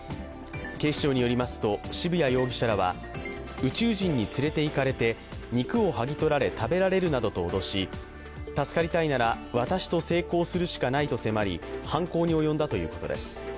警視庁によりますと渋谷容疑者らは宇宙人に連れて行かれて肉を剥ぎ取られ、食べられるなどと脅し助かりたいなら私と性交するしかないと迫り犯行に及んだということです。